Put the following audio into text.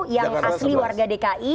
yang asli warga dki